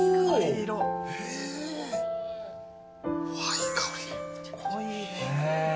いい香り。